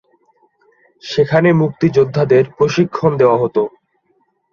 সেখানে মুক্তিযোদ্ধাদের প্রশিক্ষণ দেওয়া হতো।